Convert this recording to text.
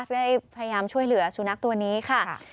ได้พยายามช่วยเหลือสุนัขตัวนี้ค่ะ